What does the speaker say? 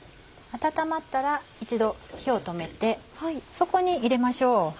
温まったら一度火を止めてそこに入れましょう。